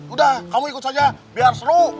udah kamu ikut saja biar seru